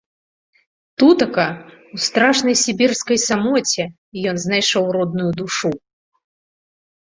Тутака, у страшнай сібірскай самоце, ён знайшоў родную душу.